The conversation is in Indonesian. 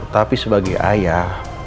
tapi sebagai ayah